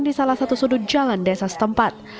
di salah satu sudut jalan desa setempat